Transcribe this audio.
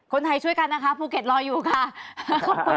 คุณไทยช่วยกันนะคะภูเก็ตรออยู่ค่ะ